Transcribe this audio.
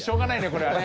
これはね。